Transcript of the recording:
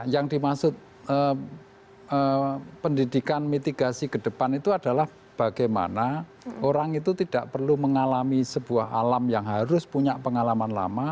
yang dimaksud pendidikan mitigasi ke depan itu adalah bagaimana orang itu tidak perlu mengalami sebuah alam yang harus punya pengalaman lama